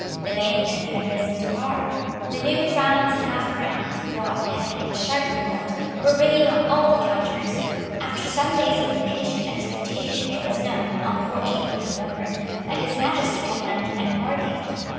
The bank note had risen to par. The new crowns and halfcrowns, broad, heavy and sharply milled, were ringing on all the counters. After some days of impatient expectation it was known, on the fourteenth of November, that His Majesty had landed at Margate.